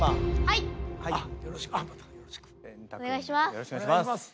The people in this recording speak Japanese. よろしくお願いします。